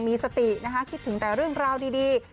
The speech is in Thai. มีสตินะคะคิดถึงแต่เรื่องราวดี